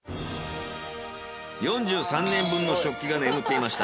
４３年分の食器が眠っていました。